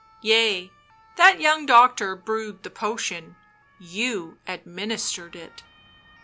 " Yea, that young doctor brewed the potion — you administered it."